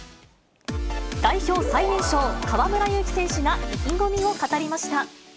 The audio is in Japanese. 代表最年少、河村勇輝選手が意気込みを語りました。